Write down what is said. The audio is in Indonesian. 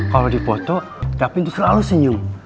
kalau dipoto dapin itu selalu senyum